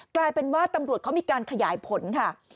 กลายเป็นว่าตำรวจเขามีการขยายผลค่ะ